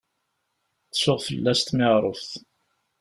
Tsuɣ fell-as tmiɛruft.